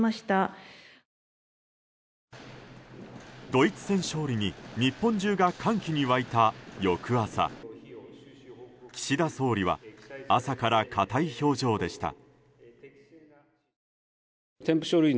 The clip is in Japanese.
ドイツ戦勝利に日本中が歓喜に沸いた翌朝岸田総理は朝から硬い表情でした。